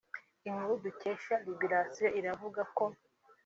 Inkuru dukesha liberation iravuga ko